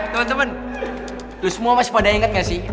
teman teman lu semua masih pada ingat gak sih